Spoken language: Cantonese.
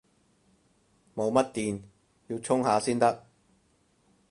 冇乜電，要充下先得